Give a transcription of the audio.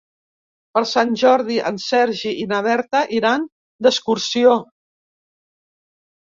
Per Sant Jordi en Sergi i na Berta iran d'excursió.